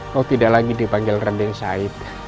kau tidak lagi dipanggil rendeng said